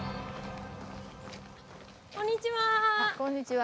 こんにちは。